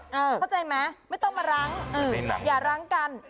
เข้าใจไหมไม่ต้องมารั้งอย่ารั้งกัน